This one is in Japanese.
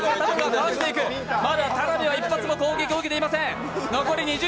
まだたなべは一発も攻撃を受けていません。